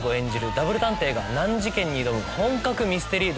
ダブル探偵が難事件に挑む本格ミステリードラマです。